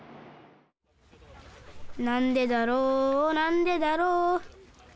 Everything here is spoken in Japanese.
「なんでだろうなんでだろう」